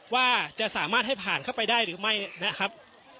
ว่าจะสามารถให้ผ่านเข้าไปได้หรือไม่นะครับ